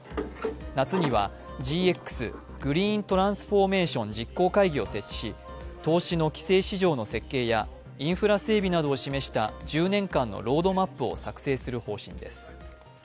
夏にはＧＸ＝グリーントランスフォーメーション実行会議を設置し投資の規制市場の設計やインフラ整備などを示した１０年間のロードマップを作成する方針です。